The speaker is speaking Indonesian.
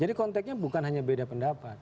konteknya bukan hanya beda pendapat